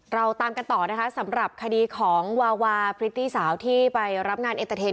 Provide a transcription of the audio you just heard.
เราตามกันต่อนะคะสำหรับคดีของวาวาพริธีสาวที่ไปรับงาน